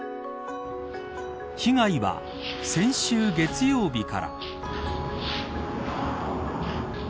被害は先週月曜日から。